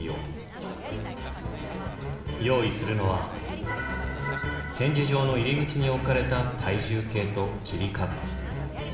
用意するのは展示場の入口に置かれた体重計と切り株。